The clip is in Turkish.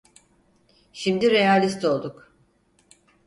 Şimdi realist olduk…